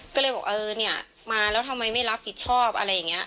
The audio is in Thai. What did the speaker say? ก็เลยบอกเออเนี่ยมาแล้วทำไมไม่รับผิดชอบอะไรอย่างนี้